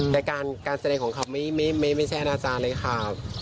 แต่การแสดงของเขาไม่ใช่อนาจารย์เลยค่ะ